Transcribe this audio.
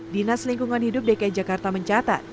dinas lingkungan hidup dki jakarta mencatat